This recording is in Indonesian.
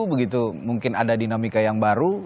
begitu mungkin ada dinamika yang baru